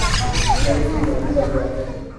کیا یہ کوئی ماننے والی بات ہے؟